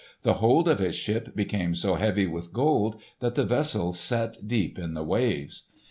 The hold of his ship became so heavy with gold that the vessel set deep in the waves.